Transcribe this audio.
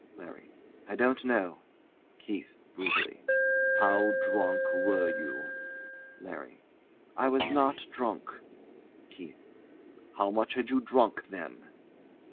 LARRY. I don't know. KEITH. [Brutally] How drunk were you? LARRY. I was not drunk. KEITH. How much had you drunk, then?